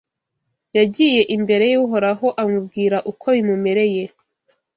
Yagiye imbere y’Uhoraho amubwira uko bimumereye